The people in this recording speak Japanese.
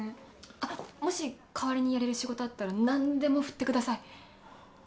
あっもし代わりにやれる仕事あったら何でも振ってください。